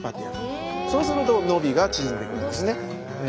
そうすると伸びが縮んでいくんですね。